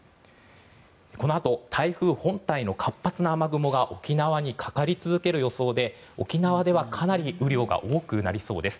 このあと台風本体の活発な雨雲が沖縄にかかり続ける予想で沖縄ではかなり雨量が多くなりそうです。